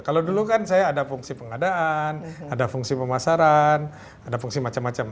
kalau dulu kan saya ada fungsi pengadaan ada fungsi pemasaran ada fungsi macam macam